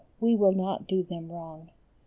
we will not do them wrong !